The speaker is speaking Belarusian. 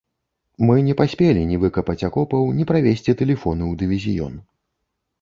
Мы не паспелі ні выкапаць акопаў, ні правесці тэлефону ў дывізіён.